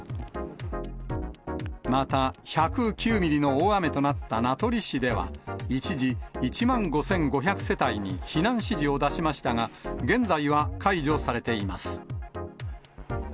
また、１０９ミリの大雨となった名取市では一時、１万５５００世帯に避難指示を出しましたが、現在は解除されています。